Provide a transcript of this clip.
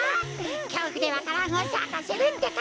きょうふでわか蘭をさかせるってか。